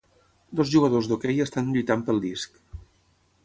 Dos jugadors d'hoquei estan lluitant pel disc.